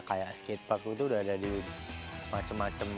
kayak skatepark itu udah ada di macem macem